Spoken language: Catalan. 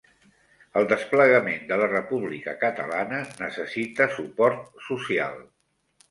El desplegament de la República Catalana necessita suport social